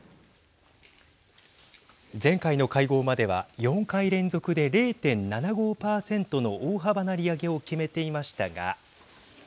前回の会合までは４回連続で０．７５％の大幅な利上げを決めていましたが。